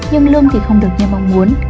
nhưng lương thì không được như mong muốn